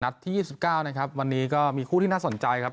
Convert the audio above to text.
ที่๒๙นะครับวันนี้ก็มีคู่ที่น่าสนใจครับ